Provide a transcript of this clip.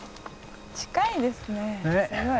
近いですねすごい。